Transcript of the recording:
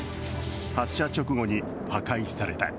発射直後に破壊された。